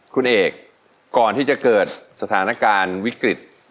คุณเอกก่อนที่จะเกิดสถานการณ์วิกฤต